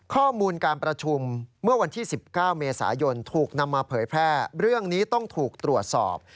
ข้อมูลการประชุมเมื่อวันที่๑๙เมษายนถูกนำมาเผยแพร่เรื่องนี้ต้องถูกตรวจสอบ